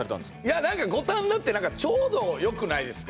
いや何か五反田ってちょうどよくないですか？